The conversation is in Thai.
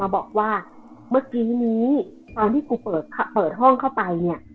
บอกว่าเมื่อกี้นี้ตอนที่กูเปิดห้องเข้าไปเนี่ย